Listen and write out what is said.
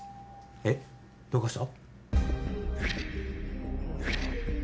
えっ？どうかした？